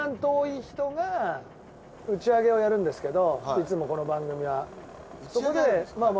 いつもこの番組は。